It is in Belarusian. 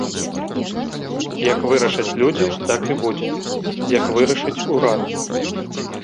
Як вырашаць людзі, так і будзе, як вырашыць урад.